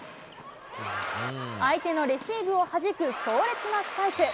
相手のレシーブをはじく強烈なスパイク。